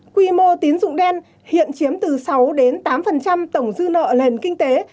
quy mô tín dụng đen hiện chiếm từ sáu đến tám phần trăm tổng dư nợ lền kinh tế